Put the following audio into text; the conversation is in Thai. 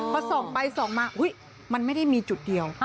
ประสงค์ไปส่งมามันไม่ได้มีจุดเดียว